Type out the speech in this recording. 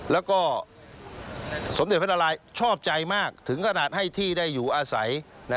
แล้วก็สมเด็จพระนารายชอบใจมากถึงขนาดให้ที่ได้อยู่อาศัย